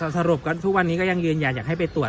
สรุปทุกวันนี้ก็ยังยืนยันอยากให้ไปตรวจ